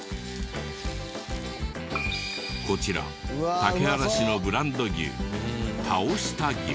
こちら竹原市のブランド牛峠下牛。